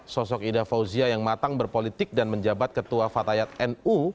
sosok ida fauzia yang matang berpolitik dan menjabat ketua fatayat nu